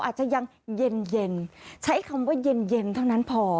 อาจจะยังเย็นใช้คำว่าเย็นเท่านั้นพอ